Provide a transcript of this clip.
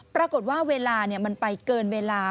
ปรากฏว่าเวลามันไปเกินเวลา